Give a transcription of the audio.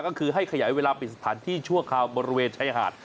ออกมาก็คือให้ขยายเวลาปริสถานที่ชั่วครามบริเวณไชยหาศ